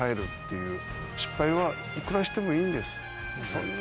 そんな。